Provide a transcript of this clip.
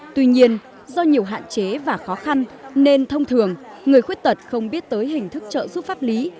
tuy nhiên do nhiều hạn chế và khó khăn nên thông thường người khuyết tật không biết tới hình thức trợ giúp pháp lý